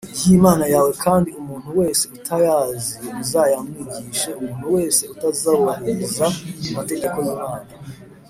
y Imana yawe kandi umuntu wese utayazi muzayamwigishe Umuntu wese utazubahiriza amategeko y Imana